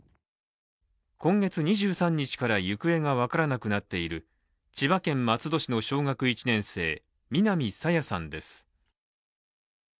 今月２３日から行方が分からなくなっている千葉県松戸市の小学１年生・南朝芽さんです。